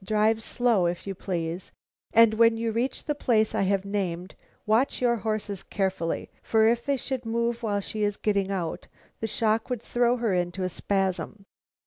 Drive slow, if you please, and when you reach the place I have named, watch your horses carefully, for if they should move while she is getting out, the shock would throw her into a spasm.'